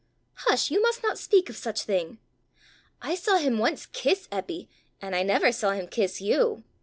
hush! you must not speak of such thing." "I saw him once kiss Eppy, and I never saw him kiss you!"